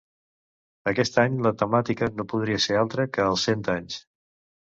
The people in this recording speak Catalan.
Aquest any, la temàtica no podia ser altra que els cent anys.